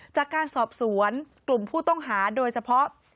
จากการสอบสวนกลุ่มผู้ต้องหาโดยเฉพาะ